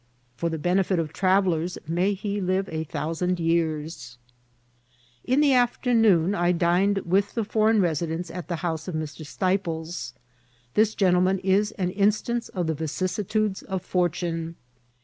For the benefit of travellers, may he live a thousand years ! In the afternoon I dined with the foreign residents at the house of Mr. Stei{Jes. This gentleman is an in stance of the vicissitudes of fortune.